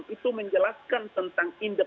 itu menjelaskan tentang indeks